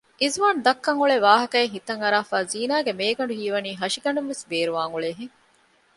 އިޒުވާނު ދައްކަން އުޅޭ ވާހަކައެއް ހިތަން އަރާފައި ޒީނާގެ މޭގަނޑު ހީވަނީ ހަށިގަނޑުންވެސް ބޭރުވާން އުޅޭހެން